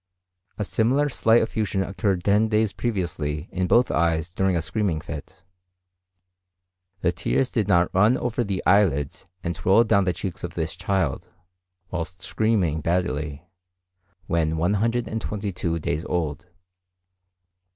A similar slight effusion occurred ten days previously in both eyes during a screaming fit. The tears did not run over the eyelids and roll down the cheeks of this child, whilst screaming badly, when 122 days old.